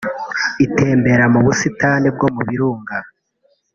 itembera mu busitani bwo mu birunga